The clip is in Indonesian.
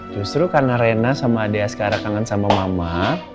justru karena rena sama adik sekarang kangen sama mama